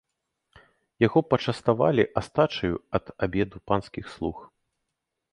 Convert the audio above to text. Яго пачаставалі астачаю ад абеду панскіх слуг.